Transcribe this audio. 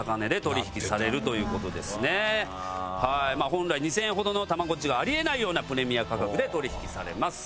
本来２０００円ほどのたまごっちがあり得ないようなプレミア価格で取引されます。